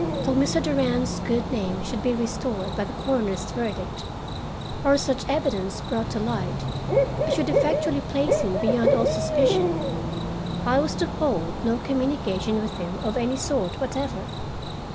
Till Mr. Durand's good name should be restored by the coroner's verdict, or such evidence brought to light as should effectually place him beyond all suspicion, I was to hold no communication with him of any sort whatever.